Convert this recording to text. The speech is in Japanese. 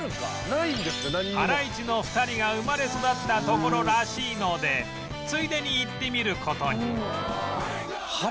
ハライチの２人が生まれ育った所らしいのでついでに行ってみる事に